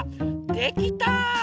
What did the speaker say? できた！